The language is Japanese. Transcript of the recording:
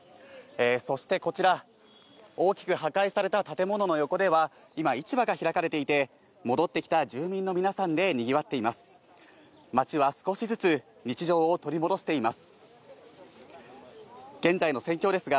そして、こちら、大きく破壊された建物の横では、今、市場が開かれていて、戻ってきた住民の皆さんでにぎわっています。